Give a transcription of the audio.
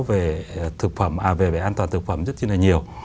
về thực phẩm về an toàn thực phẩm rất là nhiều